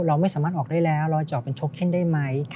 เราไม่สามารถออกได้แล้วเราจะออกเป็นโชกเคนได้ไหม